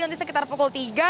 nanti sekitar pukul tiga